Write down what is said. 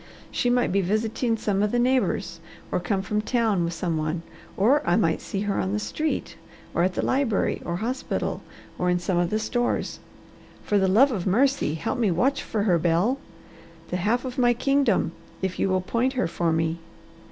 She might be visiting some of the neighbours or come from town with some one or I might see her on the street or at the library or hospital or in some of the stores. For the love of mercy, help me watch for her, Bel! The half of my kingdom if you will point her for me!"